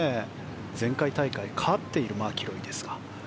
前回大会勝っているマキロイですが。